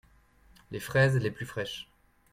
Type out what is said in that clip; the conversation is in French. Les fraises les plus fraîches.